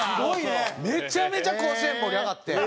めちゃめちゃ甲子園盛り上がって。